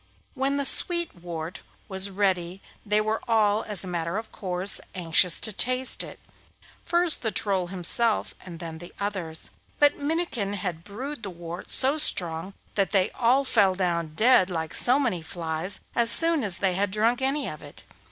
When the sweet wort was ready they were all, as a matter of course, anxious to taste it, first the Troll himself and then the others; but Minnikin had brewed the wort so strong that they all fell down dead like so many flies as soon as they had drunk any of it.